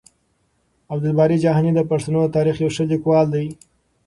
عبدالباري جهاني د پښتنو د تاريخ يو ښه ليکوال دی.